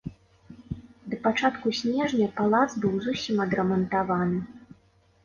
Да пачатку снежня палац быў зусім адрамантаваны.